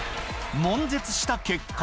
もん絶した結果。